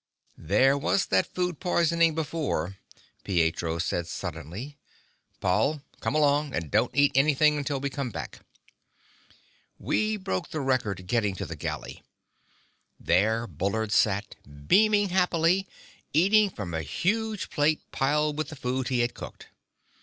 "There was that food poisoning before," Pietro said suddenly. "Paul, come along. And don't eat anything until we come back." We broke the record getting to the galley. There Bullard sat, beaming happily, eating from a huge plate piled with the food he had cooked.